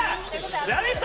「ラヴィット！」